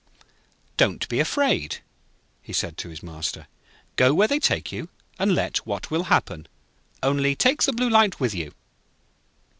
'Don't be afraid,' he said to his Master. 'Go where they take you, and let what will happen, only take the Blue Light with you.'